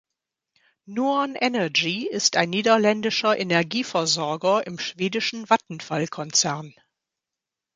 Nuon Energy ist ein niederländischer Energieversorger im schwedischen Vattenfall-Konzern.